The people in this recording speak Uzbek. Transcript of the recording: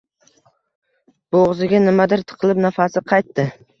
Bo‘g‘ziga nimadir tiqilib, nafasi qaytdi.